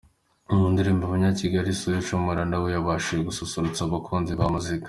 Mu ndirimbo "Abanyakigali", Social Mula nawe yabashije gususurutsa abakunzi ba muzika.